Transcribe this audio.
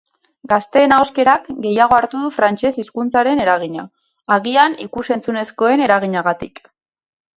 Gazteen ahoskerak gehiago hartu du frantzes hizkuntzaren eragina, agian ikus-entzunezkoen eraginagatik.